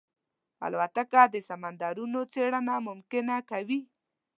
الوتکه د سمندرونو څېړنه ممکنه کوي.